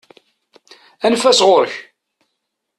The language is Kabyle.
Anef-as ɣuṛ-k!